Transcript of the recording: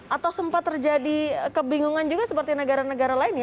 atau sempat terjadi kebingungan juga seperti negara negara lain ya